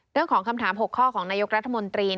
เรื่องของคำถาม๖ข้อของนายกรัฐมนตรี